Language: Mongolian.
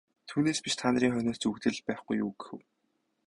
Түүнээс биш та нарын хойноос зүүгдээд л байхгүй юу гэв.